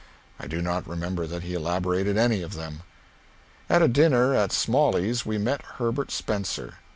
I do not remember that he elaborated any of them. At a dinner at Smalley's we met Herbert Spencer.